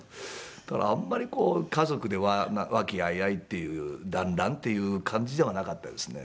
だからあんまり家族で和気あいあいっていうだんらんっていう感じではなかったですね。